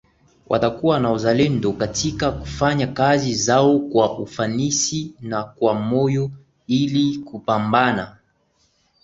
watakuwa na uzalendo katika kufanya kazi zao kwa ufanisi na kwa moyo ili kupambana